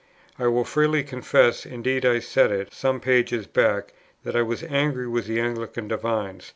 I will freely confess, indeed I said it some pages back, that I was angry with the Anglican divines.